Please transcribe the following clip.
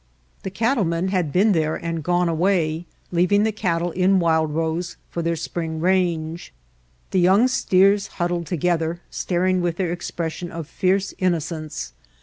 The cattlemen had been there and gone away, leaving the cattle in Wild Rose for their spring range. The young steers huddled together, star ing with their expression of fierce innocence.